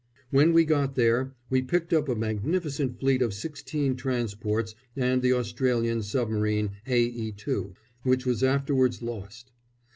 When we got there we picked up a magnificent fleet of sixteen transports and the Australian submarine AE2, which was afterwards lost.